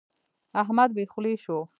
احمد بې خولې شو.